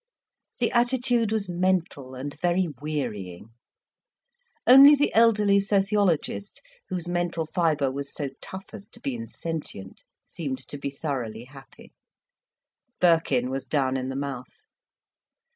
The attitude was mental and very wearying. Only the elderly sociologist, whose mental fibre was so tough as to be insentient, seemed to be thoroughly happy. Birkin was down in the mouth.